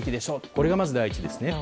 これがまず第一ですねと。